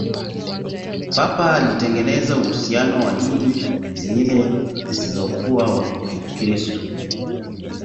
papa alitengeneza uhusiano na dini zingine zisizokuwa wa kikristo